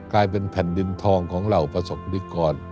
กลายเป็นแผ่นดินทองของเหล่าประสบนิกร